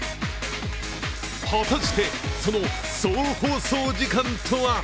果たして、その総放送時間とは？